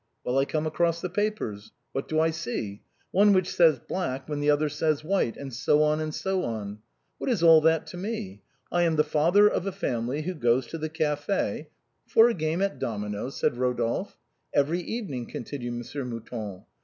" Well, I come across the papers. What do I see? One which says black when the other says white, and so on and so on. What is all that to me ? I am the father of a family who goes to the café —"" For a game at dominoes," said Eodolphe. " Every evening," continued Monsieur Mouton.